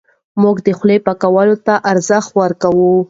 موږ د خولې پاکوالي ته ارزښت ورکوو.